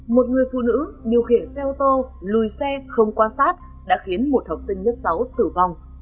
một người phụ nữ điều khiển xe ô tô lùi xe không quan sát đã khiến một học sinh lớp sáu tử vong